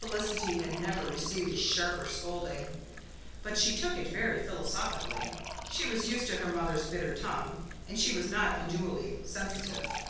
Felicity had never received a sharper scolding. But she took it very philosophically. She was used to her mother's bitter tongue, and she was not unduly sensitive.